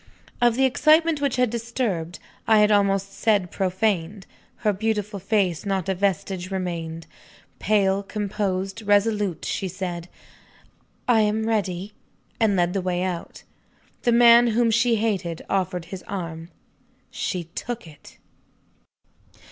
Of the excitement which had disturbed I had almost said, profaned her beautiful face, not a vestige remained. Pale, composed, resolute, she said, "I am ready," and led the way out. The man whom she hated offered his arm. She took it!